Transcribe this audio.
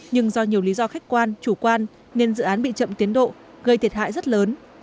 nhưng do nhiều lý do khách quan chủ quan nên dự án bị chậm tiến độ gây thiệt hại rất lớn